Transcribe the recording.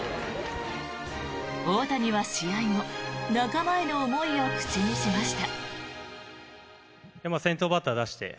大谷は試合後仲間への思いを口にしました。